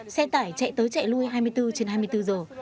xe tải chạy tới chạy lui hai mươi bốn trên hai mươi bốn giờ